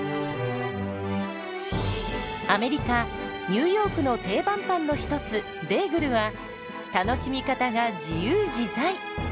アメリカ・ニューヨークの定番パンの一つベーグルは楽しみ方が自由自在！